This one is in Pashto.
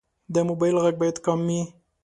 د موبایل غږ باید کم وي.